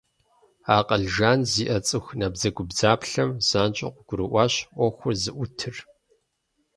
Акъыл жан зиӀэ цӀыху набдзэгубдзаплъэм занщӀэу къыгурыӀуащ Ӏуэхур зыӀутыр.